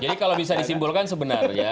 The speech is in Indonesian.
jadi kalau bisa disimbolkan sebenarnya